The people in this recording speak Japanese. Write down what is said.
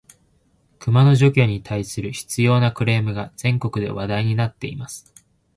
クマの駆除に対する執拗（しつよう）なクレームが、全国で問題になっています。